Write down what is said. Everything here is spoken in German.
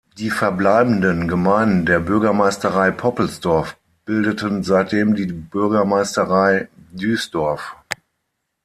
Die verbleibenden Gemeinden der Bürgermeisterei Poppelsdorf bildeten seitdem die Bürgermeisterei Duisdorf.